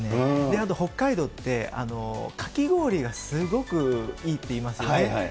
あと、北海道って、かき氷がすごくいいっていいますよね。